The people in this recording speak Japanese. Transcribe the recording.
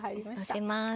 のせます。